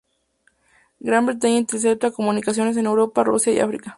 Gran Bretaña intercepta comunicaciones en Europa, Rusia y África.